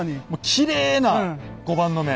きれいな碁盤の目。